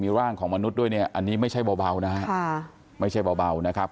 ร่างของมนุษย์ด้วยเนี่ยอันนี้ไม่ใช่เบานะฮะไม่ใช่เบานะครับ